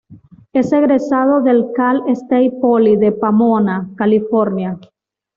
Es egresado del Cal State Poly de Pomona, California.